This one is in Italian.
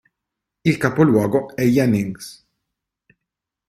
Il capoluogo è Jennings.